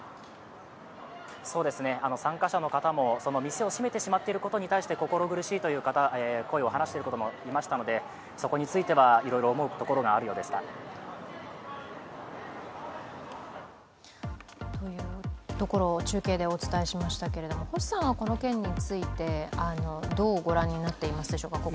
参加者の方も店を閉まっていることに関して心苦しいという声を話していることも見ましたので、そこに対してはいろいろ思うところがあるようでした星さんはこの件について、どうご覧になっていますでしょうか。